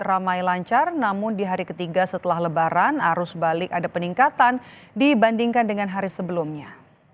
ramai lancar namun di hari ketiga setelah lebaran arus balik ada peningkatan dibandingkan dengan hari sebelumnya